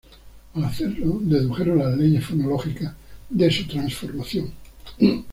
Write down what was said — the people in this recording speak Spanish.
Al hacerlo, dedujeron las leyes fonológicas de su transformación.